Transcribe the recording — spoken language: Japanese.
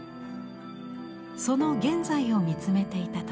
その現在を見つめていた時。